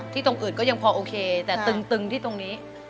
ตรงอื่นก็ยังพอโอเคแต่ตึงที่ตรงนี้